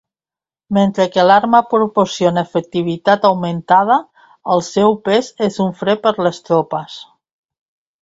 Mentre que l'arma proporciona efectivitat augmentada, el seu pes és un fre per les tropes.